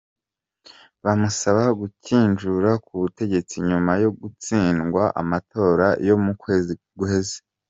Bamusaba gukinjura ku butegetsi nyuma yo gutsindwa amatora yo mu kwezi guheze.